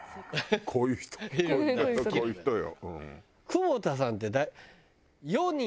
こういう人こういう人よ。